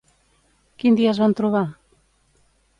Quin dia es van trobar?